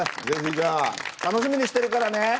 ぜひじゃあ楽しみにしてるからね。